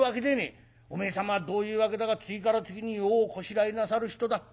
おめえ様はどういうわけだか次から次に用をこしらえなさる人だ。